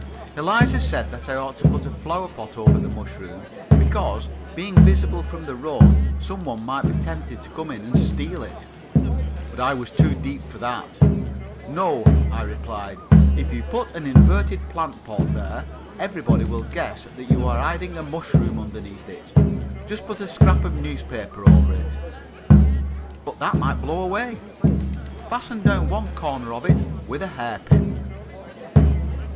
Eliza said that I ought to put a flowerpot over the mushroom, because, being visible from the road, some one might be tempted to come in and steal it. But I was too deep for that. "No," I replied, "if you put an inverted plant pot there everybody will guess that you are hiding a mushroom underneath it. Just put a scrap of newspaper over it." "But that might get blown away!" "Fasten down one corner of it with a hairpin."